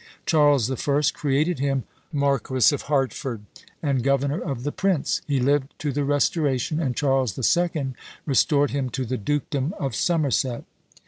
Charles the First created him Marquis of Hertford, and governor of the prince; he lived to the Restoration, and Charles the Second restored him to the dukedom of Somerset.